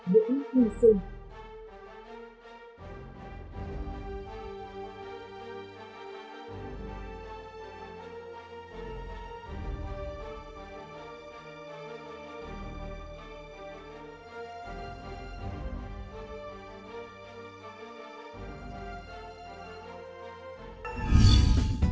vững hy sinh